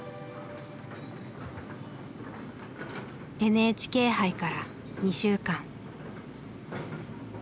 ＮＨＫ杯から２週間。